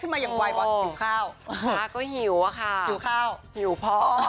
ขึ้นมายังไหวเปล่าหิวข้าวม้าก็หิวอ่ะค่ะหิวข้าวหิวพ่อ